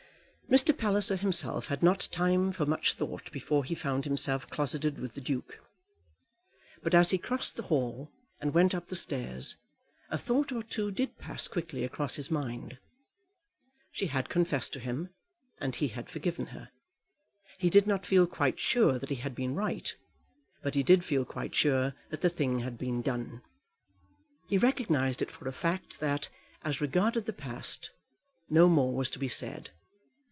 Mr. Palliser himself had not time for much thought before he found himself closeted with the Duke; but as he crossed the hall and went up the stairs, a thought or two did pass quickly across his mind. She had confessed to him, and he had forgiven her. He did not feel quite sure that he had been right, but he did feel quite sure that the thing had been done. He recognized it for a fact that, as regarded the past, no more was to be said.